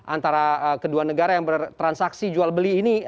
antara kedua negara yang bertransaksi jual beli ini